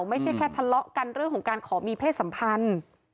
ไม่ใช่แค่ทะเลาะกันเรื่องของการขอมีเพศสัมพันธ์